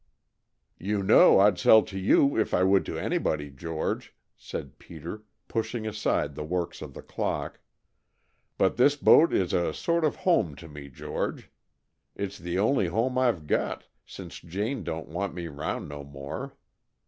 "You know I'd sell to you if I would to anybody, George," said Peter, pushing aside the works of the clock, "but this boat is a sort of home to me, George. It's the only home I 've got, since Jane don't want me 'round no more.